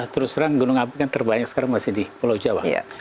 terus terang gunung api kan terbanyak sekarang masih di pulau jawa